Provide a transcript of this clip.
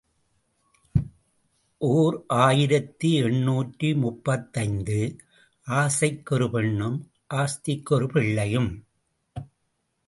ஓர் ஆயிரத்து எண்ணூற்று முப்பத்தைந்து ஆசைக்கு ஒரு பெண்ணும் ஆஸ்திக்கு ஒரு பிள்ளையும்.